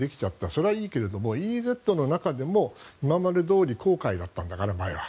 それはいいけれどもＥＥＺの中でも今までどおり公海だったんだから、前は。